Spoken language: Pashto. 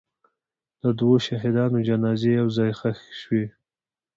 د دوو شهیدانو جنازې یو ځای ښخ شوې.